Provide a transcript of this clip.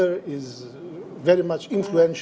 negara yang sangat berinfluensi